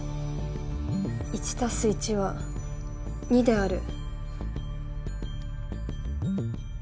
１＋１＝２である。